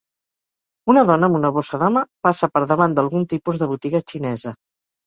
Una dona amb una bossa de mà passa per davant d'algun tipus de botiga xinesa.